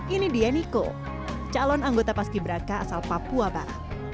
ini dia niko calon anggota paski beraka asal papua barat